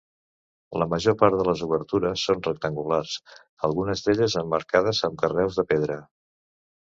La major part de les obertures són rectangulars, algunes d'elles emmarcades amb carreus de pedra.